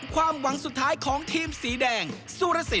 ความหวังสุดท้ายของทีมสีแดงสุรสิน